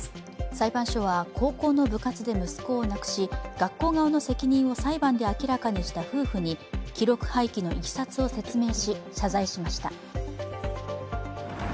裁判所は、高校の部活で息子を亡くし学校側の責任を裁判で明らかにした夫婦に記録廃棄のいきさつを説明し謝罪しました。